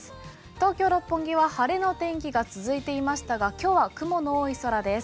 東京・六本木は晴れの天気が続いていましたが今日は雲の多い空です。